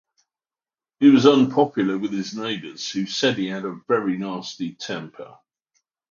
He was unpopular with his neighbours, who said he had a very nasty temper.